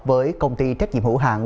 với công ty trách nhiệm hữu hàng